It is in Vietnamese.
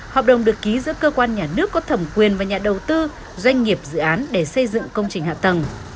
hợp đồng được ký giữa cơ quan nhà nước có thẩm quyền và nhà đầu tư doanh nghiệp dự án để xây dựng công trình hạ tầng